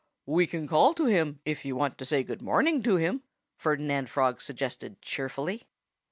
"We can call to him, if you want to say good morning to him," Ferdinand Frog suggested cheerfully.